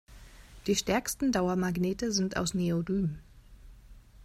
Die stärksten Dauermagnete sind aus Neodym.